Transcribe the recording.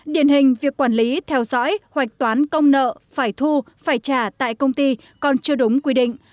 điển hình việc quản lý theo dõi hoạch toán công nợ phải thu phải trả tại công ty còn chưa đúng quy định